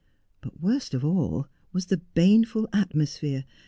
But worst of all was the baneful atmosphere.